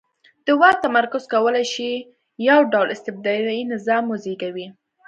د واک تمرکز کولای شي یو ډ ول استبدادي نظام وزېږوي.